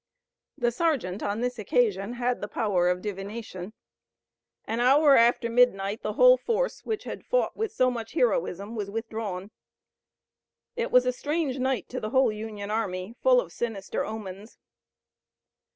The sergeant on this occasion had the power of divination. An hour after midnight the whole force which had fought with so much heroism was withdrawn. It was a strange night to the whole Union army, full of sinister omens.